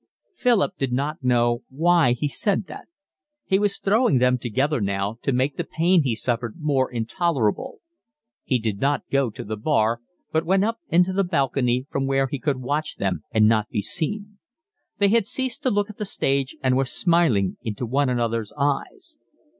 Philip did not know why he said that. He was throwing them together now to make the pain he suffered more intolerable. He did not go to the bar, but up into the balcony, from where he could watch them and not be seen. They had ceased to look at the stage and were smiling into one another's eyes.